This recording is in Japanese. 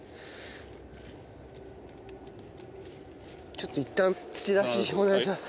ちょっといったん土出しお願いします。